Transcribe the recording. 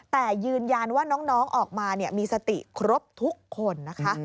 แต่ยืนยันว่าน้องออกมามีสติครบทุกคนนะคะ